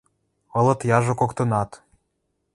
Ылыт яжо коктынат.